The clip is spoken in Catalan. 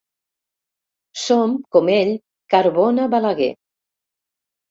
Som, com ell, Carbona Balaguer.